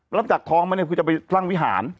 รับจากท้องมาเนี่ยคือจะไปสร้างวิหาร